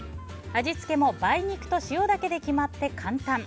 味付けも梅肉と塩だけで決まって簡単。